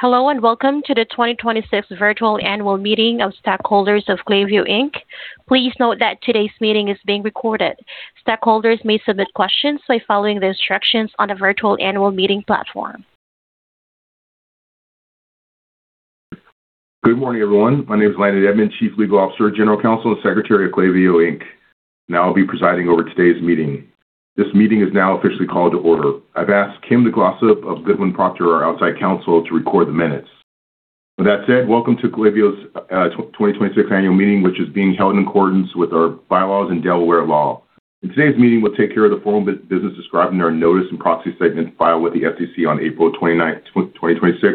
Hello, Welcome to the 2026 virtual annual meeting of stakeholders of Klaviyo, Inc. Please note that today's meeting is being recorded. Stakeholders may submit questions by following the instructions on the virtual annual meeting platform. Good morning, everyone. My name is Landon Edmond, Chief Legal Officer, General Counsel, and Secretary of Klaviyo, Inc. I will be presiding over today's meeting. This meeting is now officially called to order. I've asked Kim de Glossop of Goodwin Procter, our outside counsel, to record the minutes. With that said, Welcome to Klaviyo's 2026 annual meeting, which is being held in accordance with our bylaws and Delaware law. In today's meeting, we'll take care of the formal business described in our notice and proxy statement filed with the SEC on April 29th, 2026,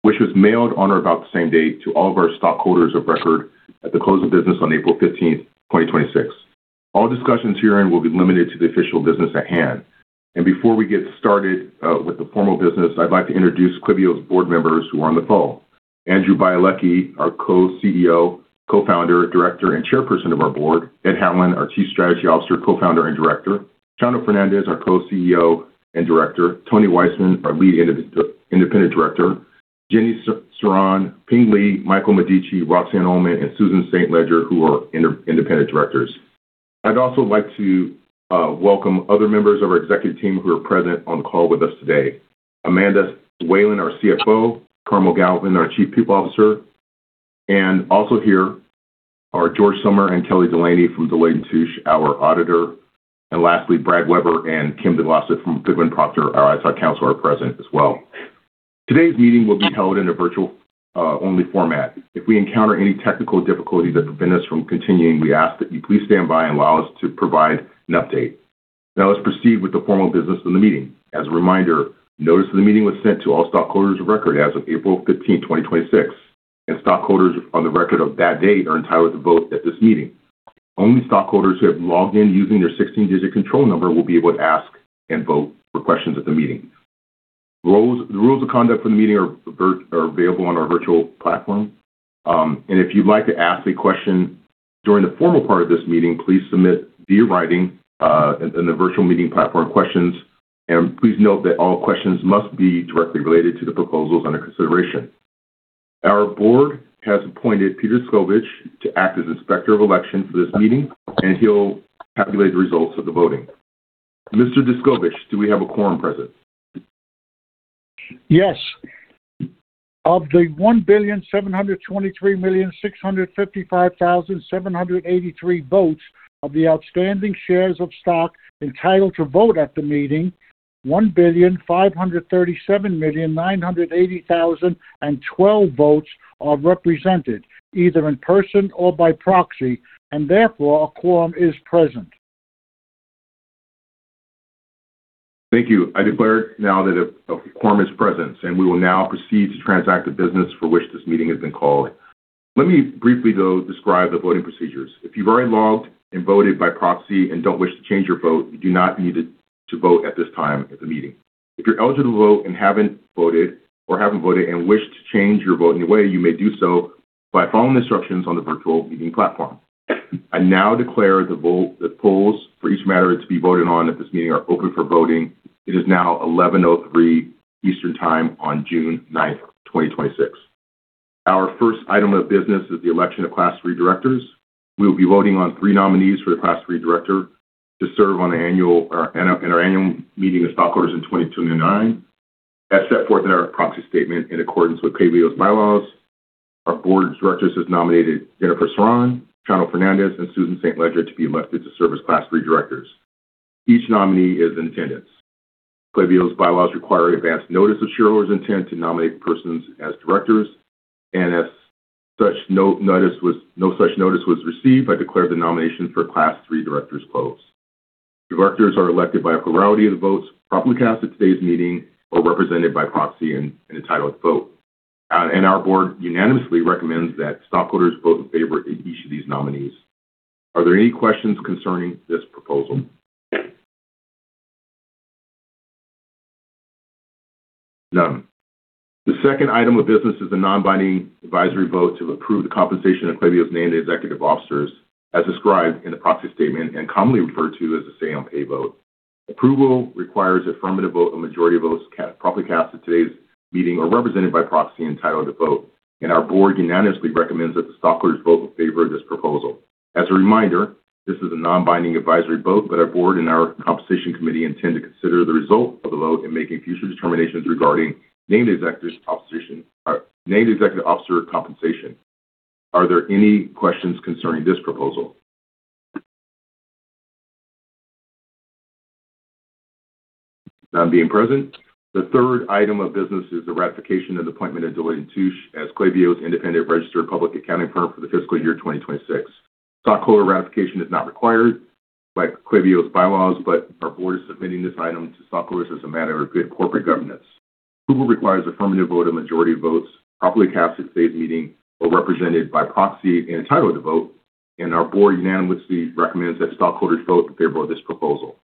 which was mailed on or about the same day to all of our stockholders of record at the close of business on April 15th, 2026. All discussions herein will be limited to the official business at hand. Before we get started with the formal business, I'd like to introduce Klaviyo's board members who are on the phone. Andrew Bialecki, our Co-CEO, Co-Founder, Director, and Chairperson of our Board. Ed Hallen, our Chief Strategy Officer, Co-Founder, and Director. Chano Fernández, our Co-CEO and Director. Tony Weisman, our Lead Independent Director. Jenny Ceran, Ping Li, Michael Medici, Roxanne Oulman, and Susan St. Ledger, who are independent directors. I'd also like to welcome other members of our executive team who are present on the call with us today. Amanda Whalen, our CFO, Carmel Galvin, our Chief People Officer, and also here are George Sommer and Kelly Delaney from Deloitte & Touche, our Auditor. Lastly, Brad Weber and Kim de Glossop from Goodwin Procter, our outside counsel, are present as well. Today's meeting will be held in a virtual-only format. If we encounter any technical difficulties that prevent us from continuing, we ask that you please stand by and allow us to provide an update. Let's proceed with the formal business of the meeting. As a reminder, notice of the meeting was sent to all stockholders of record as of April 15th, 2026, and stockholders on the record of that date are entitled to vote at this meeting. Only stockholders who have logged in using their 16-digit control number will be able to ask and vote for questions at the meeting. The rules of conduct for the meeting are available on our virtual platform. If you'd like to ask a question during the formal part of this meeting, please submit via writing in the virtual meeting platform questions, and please note that all questions must be directly related to the proposals under consideration. Our board has appointed Peter Skovisk to act as inspector of election for this meeting, and he'll calculate the results of the voting. Mr. Skovisk, do we have a quorum present? Yes. Of the 1,723,655,783 votes of the outstanding shares of stock entitled to vote at the meeting, 1,537,980,012 votes are represented, either in person or by proxy, and therefore, a quorum is present. Thank you. I declare now that a quorum is present, and we will now proceed to transact the business for which this meeting has been called. Let me briefly, though, describe the voting procedures. If you've already logged and voted by proxy and don't wish to change your vote, you do not need to vote at this time at the meeting. If you're eligible to vote and haven't voted or have voted and wish to change your vote in any way, you may do so by following the instructions on the virtual meeting platform. I now declare the polls for each matter to be voted on at this meeting are open for voting. It is now 11:03 A.M. Eastern Time on June 9th, 2026. Our 1st item of business is the election of class three directors. We will be voting on three nominees for the class three director to serve in our annual meeting of stockholders in 2029. As set forth in our proxy statement in accordance with Klaviyo's bylaws, our board of directors has nominated Jennifer Ceran, Chano Fernández, and Susan St. Ledger to be elected to serve as class three directors. Each nominee is in attendance. Klaviyo's bylaws require advanced notice of shareholders' intent to nominate persons as directors, and no such notice was received. I declare the nomination for class three directors closed. Directors are elected by a plurality of the votes properly cast at today's meeting or represented by proxy and entitled to vote. Our board unanimously recommends that stockholders vote in favor of each of these nominees. Are there any questions concerning this proposal? None. The 2nd item of business is the non-binding advisory vote to approve the compensation of Klaviyo's named executive officers as described in the proxy statement and commonly referred to as the say on pay vote. Approval requires affirmative vote of majority of votes properly cast at today's meeting or represented by proxy entitled to vote. Our board unanimously recommends that the stockholders vote in favor of this proposal. As a reminder, this is a non-binding advisory vote, but our board and our compensation committee intend to consider the result of the vote in making future determinations regarding named executive officer compensation. Are there any questions concerning this proposal? None being present. The 3rd item of business is the ratification and appointment of Deloitte & Touche as Klaviyo's independent registered public accounting firm for the fiscal year 2026. Stockholder ratification is not required by Klaviyo's bylaws, but our board is submitting this item to stockholders as a matter of good corporate governance. Approval requires affirmative vote of majority of votes properly cast at today's meeting or represented by proxy entitled to vote. Our board unanimously recommends that stockholders vote in favor of this proposal.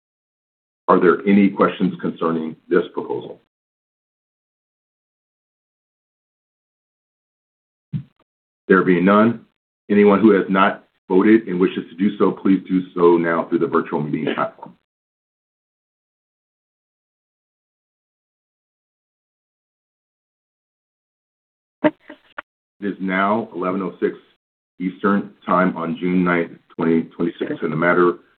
Are there any questions concerning this proposal? There being none, anyone who has not voted and wishes to do so, please do so now through the virtual meeting platform. It is now 11:06 A.M. Eastern Time on June 9th, 2026, and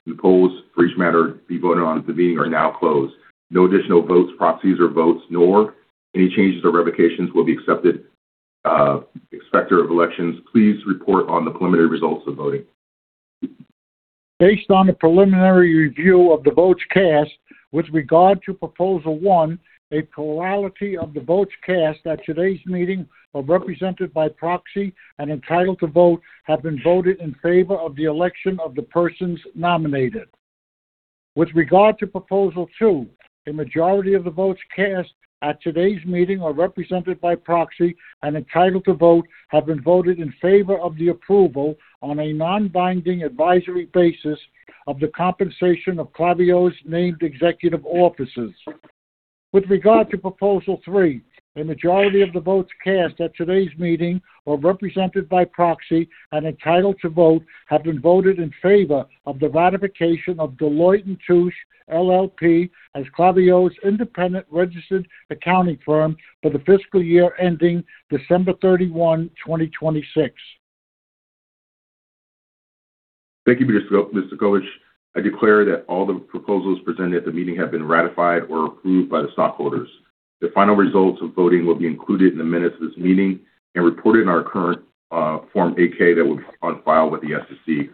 the polls for each matter to be voted on at the meeting are now closed. No additional votes, proxies or votes, nor any changes or revocations will be accepted. Inspector of Elections, please report on the preliminary results of voting. Based on the preliminary review of the votes cast with regard to Proposal One, a plurality of the votes cast at today's meeting are represented by proxy and entitled to vote, have been voted in favor of the election of the persons nominated. With regard to Proposal Two, a majority of the votes cast at today's meeting are represented by proxy and entitled to vote, have been voted in favor of the approval on a non-binding advisory basis of the compensation of Klaviyo's named executive officers. With regard to Proposal Three, a majority of the votes cast at today's meeting are represented by proxy and entitled to vote, have been voted in favor of the ratification of Deloitte & Touche LLP as Klaviyo's independent registered accounting firm for the fiscal year ending December 31, 2026. Thank you, Mr. Skovisk. I declare that all the proposals presented at the meeting have been ratified or approved by the stockholders. The final results of voting will be included in the minutes of this meeting and reported in our current Form 8-K that will be on file with the SEC.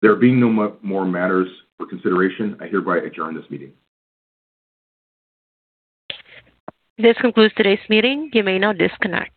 There being no more matters for consideration, I hereby adjourn this meeting. This concludes today's meeting. You may now disconnect.